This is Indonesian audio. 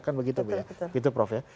kan begitu prof ya